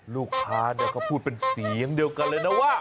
ลูกค้าเดี๋ยวก็พูดเป็นสีอย่างเดียวกันเลยนะว่า